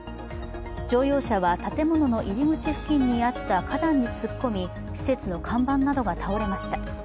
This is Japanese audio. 乗用車は建物の入口付近にあった花壇に突っ込み施設の看板などが倒れました。